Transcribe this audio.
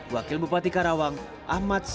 wakil bupati karawang ahmad syah